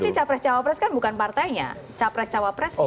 tapi capres cawapres kan bukan partainya capres cawapresnya